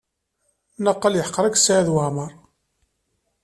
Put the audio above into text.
Naqal yeḥqer-ik Saɛid Waɛmaṛ.